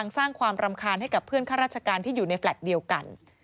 สร้างความรำคาญให้กับเพื่อนข้าราชการที่อยู่ในแฟลต์เดียวกัน